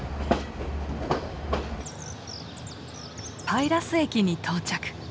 パイラス駅に到着。